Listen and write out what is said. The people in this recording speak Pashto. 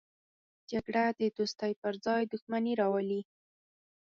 جګړه د دوستۍ پر ځای دښمني راولي